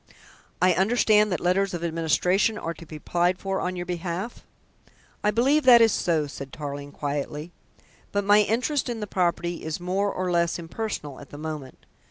I understand that letters of administration are to be applied for on your behalf?" "I believe that is so," said Tarling quietly. "But my interest in the property is more or less impersonal at the moment.